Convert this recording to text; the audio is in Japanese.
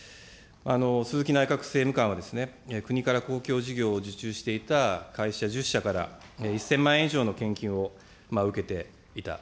鈴木内閣政務官は国から公共事業を受注していた会社１０社から、１０００万円以上の献金を受けていた。